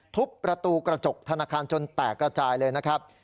ทุบประตูกระจกธนาคารจนแตกระจายเลยนะครับ